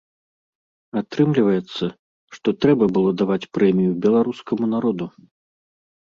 Атрымліваецца, што трэба было даваць прэмію беларускаму народу.